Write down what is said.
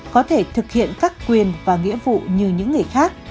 có thể thực hiện các quyền và nghĩa vụ như những người khác